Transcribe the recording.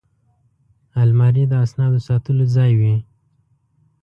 الماري د اسنادو ساتلو ځای وي